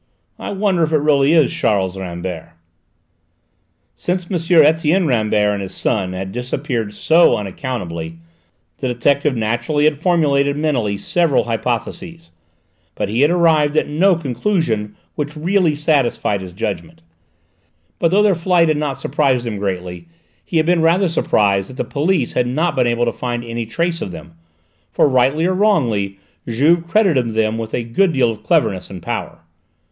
I wonder if it really is Charles Rambert?" Since M. Etienne Rambert and his son had disappeared so unaccountably, the detective naturally had formulated mentally several hypotheses, but he had arrived at no conclusion which really satisfied his judgment. But though their flight had not surprised him greatly, he had been rather surprised that the police had not been able to find any trace of them, for rightly or wrongly Juve credited them with a good deal of cleverness and power.